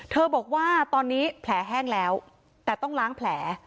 บอกว่าตอนนี้แผลแห้งแล้วแต่ต้องล้างแผล